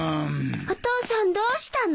お父さんどうしたの？